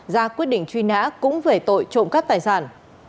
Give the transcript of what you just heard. ra quyết định truy nã cũng về tội trộm cắp tài sản